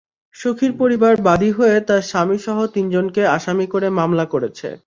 সুখীর পরিবার বাদী হয়ে তাঁর স্বামীসহ তিনজনকে আসামি করে মামলা করেছে।